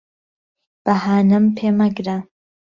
بههانەم پێ مهگره